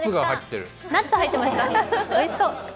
おいしそう。